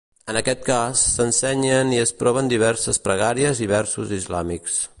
En aquest cas, s'ensenyen i es proven diverses pregàries i versos islàmics.